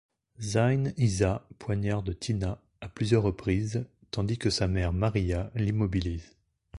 Zein Isa poignarde Tina à plusieurs reprises, tandis que sa mère Maria l'immobilise.